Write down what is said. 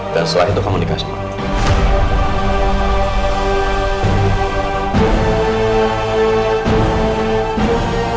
dan setelah itu kamu nikah sama aku